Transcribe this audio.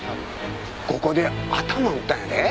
ここで頭打ったんやで。